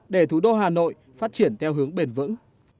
để thủ đô hà nội phát triển theo hướng bền vững